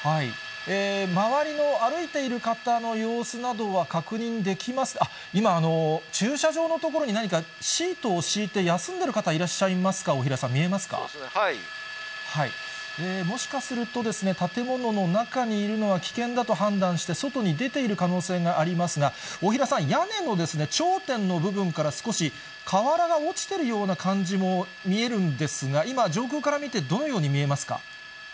周りの歩いている方の様子などは確認できます、今、駐車場の所に何か、シートを敷いて休んでいる方いらっしゃいますか、大平さん、はい。もしかするとですね、建物の中にいるのは危険だと判断して、外に出ている可能性がありますが、大平さん、屋根の頂点の部分から少し瓦が落ちてるような感じも見えるんですが、今、上空から見てどのように見えますか。